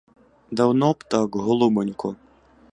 Давно б так, голубонько!